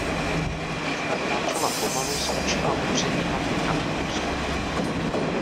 Dívka kráčela pomalu s očima upřenýma ke kamenným schodům.